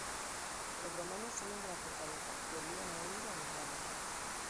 Los romanos salen de la fortaleza y obligan a huir a los galos.